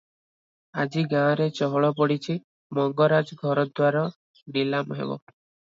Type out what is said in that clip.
ଆଜି ଗାଁରେ ଚହଳ ପଡ଼ିଛି, ମଙ୍ଗରାଜ ଘରଦ୍ୱାର ନିଲାମ ହେବ ।